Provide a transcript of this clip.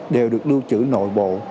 đều được lưu trữ nội bộ